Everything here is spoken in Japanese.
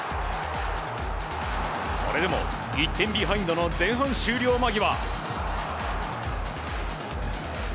それでも１点ビハインドの前半終了間際。